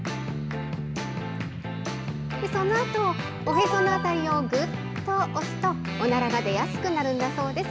そのあと、おへその辺りをぐっと押すと、おならが出やすくなるんだそうです。